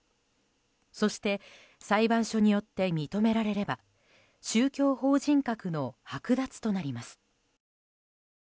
そして、裁判所によって認められれば宗教法人格のはく奪となります。